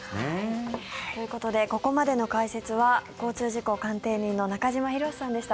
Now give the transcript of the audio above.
ということでここまでの解説は交通事故鑑定人の中島博史さんでした。